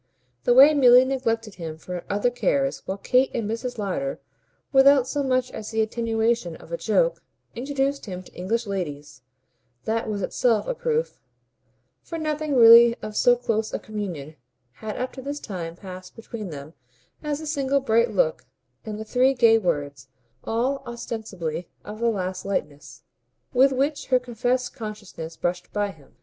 The way Milly neglected him for other cares while Kate and Mrs. Lowder, without so much as the attenuation of a joke, introduced him to English ladies that was itself a proof; for nothing really of so close a communion had up to this time passed between them as the single bright look and the three gay words (all ostensibly of the last lightness) with which her confessed consciousness brushed by him.